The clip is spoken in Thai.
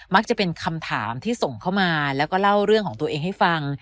จะเป็นคำถามที่ส่งเข้ามาแล้วก็เล่าเรื่องของตัวเองให้ฟัง